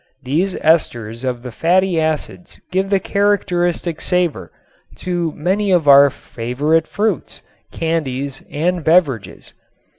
These esters of the fatty acids give the characteristic savor to many of our favorite fruits, candies and beverages.